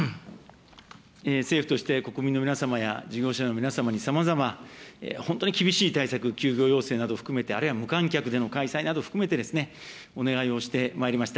政府として、国民の皆様や事業者の皆様にさまざま、本当に厳しい対策、休業要請などを含めて、あるいは無観客などの開催など含めて、お願いをしてまいりました。